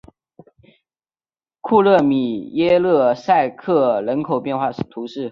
库勒米耶勒塞克人口变化图示